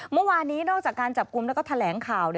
เมื่อวานนี้นอกจากการจับกลุ่มแล้วก็แถลงข่าว